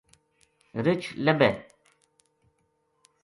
رچھ لبھے